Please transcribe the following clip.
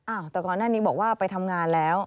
แต่ก่อนหน้านี้บอกว่าไปทำงานแล้ว